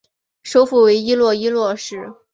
首府为伊洛伊洛市。